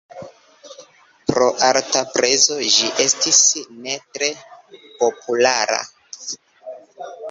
Pro alta prezo ĝi estis ne tre populara.